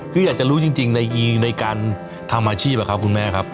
คืออยากจะรู้จริงในการทำอาชีพอะครับคุณแม่ครับ